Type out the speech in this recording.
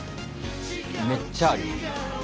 めっちゃあります。